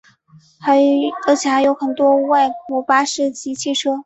而且还有很多外国巴士及汽车。